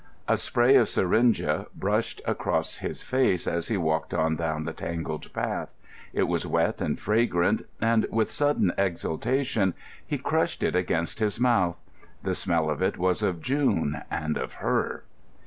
A spray of syringa brushed across his face as he walked on down the tangled path. It was wet and fragrant, and, with sudden exultation, he crushed it against his mouth. The smell of it was of June and of her.